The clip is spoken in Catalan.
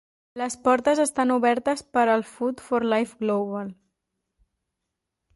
Les portes estan obertes per al Food for Life Global.